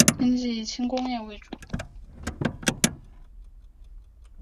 经济以轻工业为主。